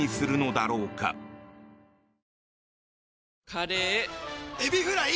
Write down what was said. カレーエビフライ！